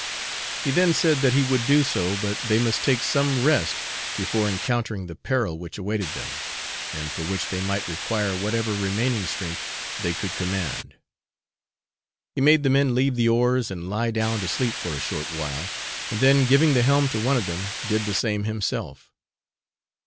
He then said that he would do so, but they must take some rest before encountering the peril which awaited them, and for which they might require whatever remaining strength they could command. He made the men leave the oars and lie down to sleep for a short time, and then, giving the helm to one of them, did the same himself.